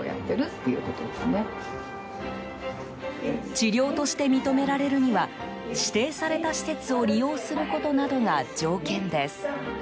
治療として認められるには指定された施設を利用することなどが条件です。